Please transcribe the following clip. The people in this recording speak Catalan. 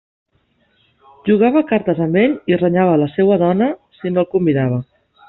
Jugava a cartes amb ell i renyava la seua dona si no el convidava.